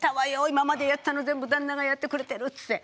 今までやってたの全部旦那がやってくれてるっつって。